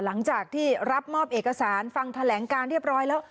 หลังจากที่รับมอบเอกสารฟังแถลงการเรียบร้อยแล้ว